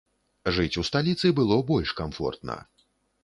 Жыць у сталіцы было больш камфортна.